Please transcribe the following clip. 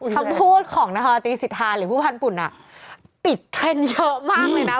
ถ้าพูดของนธตีศิษฐานหรือผู้พันธ์ปุ่นน่ะติดเทรนด์เยอะมากเลยนะ